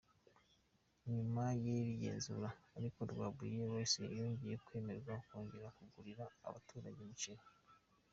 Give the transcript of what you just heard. Nyuma y’iri genzura ariko Rwabuye Rice rwongeye kwemererwa kongera kugurira abaturage umuceri.